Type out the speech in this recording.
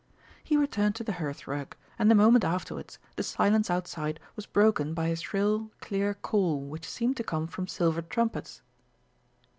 He returned to the hearthrug, and the moment afterwards, the silence outside was broken by a shrill, clear call which seemed to come from silver trumpets.